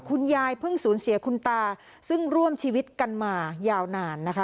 คุณยายเพิ่งสูญเสียคุณตาซึ่งร่วมชีวิตกันมายาวนานนะคะ